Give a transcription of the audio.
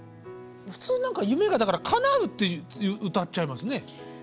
普通何か夢がかなうって歌っちゃいますね。